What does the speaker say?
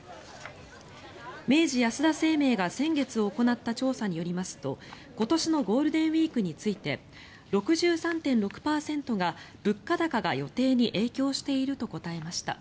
明治安田生命が先月行った調査によりますと今年のゴールデンウィークについて６３．６％が物価高が予定に影響していると答えました。